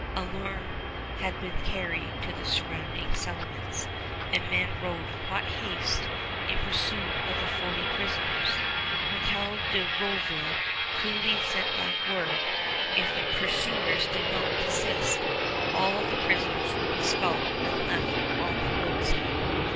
Alarm had been carried to the surrounding settlements, and men rode hot haste in pursuit of the forty prisoners. Hertel de Rouville coolly sent back word, if the pursuers did not desist, all the prisoners would be scalped and left on the roadside.